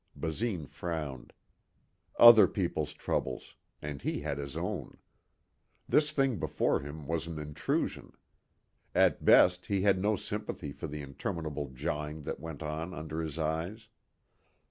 Basine frowned. Other people's troubles and he had his own. This thing before him was an intrusion. At best he had no sympathy for the interminable jawing that went on under his eyes.